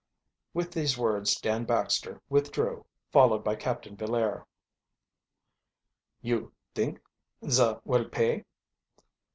With these words Dan Baxter withdrew, followed by Captain Villaire. "You think za will pay?"